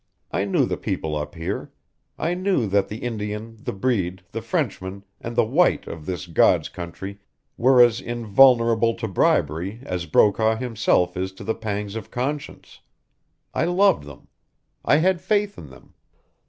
I knew the people up here. I knew that the Indian, the Breed, the Frenchman, and the White of this God's country were as invulnerable to bribery as Brokaw himself is to the pangs of conscience. I loved them. I had faith in them.